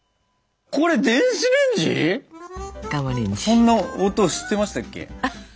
こんな音してましたっけ。